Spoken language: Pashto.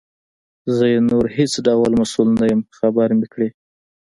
زه یې نور هیڅ ډول مسؤل نه یم خبر مي کړې.